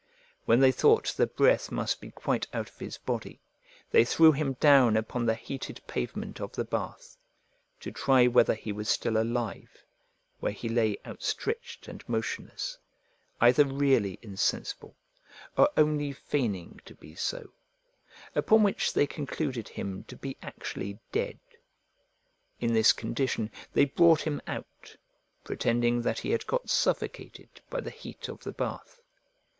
When they thought the breath must be quite out of his body, they threw him down upon the heated pavement of the bath, to try whether he were still alive, where he lay outstretched and motionless, either really insensible or only feigning to be so, upon which they concluded him to be actually dead. In this condition they brought him out, pretending that he had got suffocated by the heat of the bath.